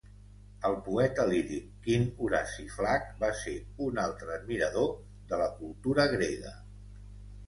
El poeta líric Quint Horaci Flac va ser un altre admirador de la cultura grega.